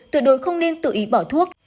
tuyệt đối không nên tự ý bỏ thuốc